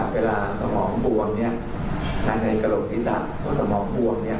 เลอระนวันเนี้ยอะไรในโปรศีรษะว่าสมองบวมเนี่ย